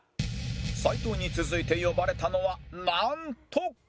斉藤に続いて呼ばれたのはなんと